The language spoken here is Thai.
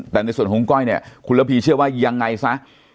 แต่ในส่วนของก้อยเนี่ยคุณระพีเชื่อว่ายังไงซะ